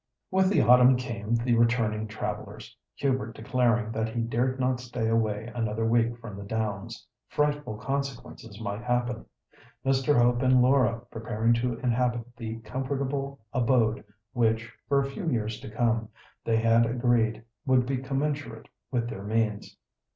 With the autumn came the returning travellers, Hubert declaring that he dared not stay away another week from the Downs; frightful consequences might happen; Mr. Hope and Laura preparing to inhabit the comfortable abode which, for a few years to come, they had agreed, would be commensurate with their means.